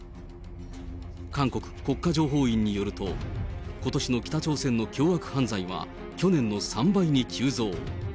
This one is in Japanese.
韓国国家情報院によると、ことしの北朝鮮の凶悪犯罪は去年の３倍に急増。